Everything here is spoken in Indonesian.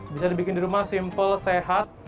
bisa dibikin di rumah simple sehat